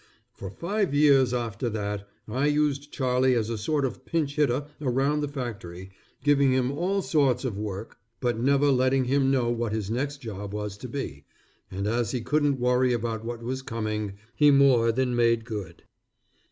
For five years after that, I used Charlie as a sort of pinch hitter around the factory giving him all sorts of work, but never letting him know what his next job was to be, and as he couldn't worry about what was coming, he more than made good.